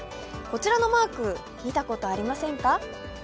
こちらのマーク、見たことありませんか？